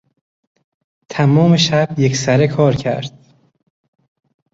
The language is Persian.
تمام شب یکسره کار کرد.